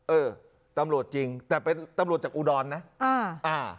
เออตำรวจจริงแต่เป็นตำรวจจากอุดรนะอ่าอ่า